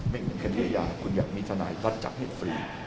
ไม่เห็นคดีอาญาฯคุณอยากมีทศนายรัฐจับให้ฟรี